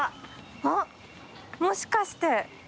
あっもしかして。